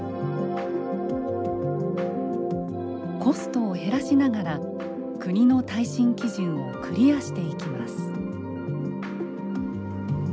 コストを減らしながら国の耐震基準をクリアしていきます。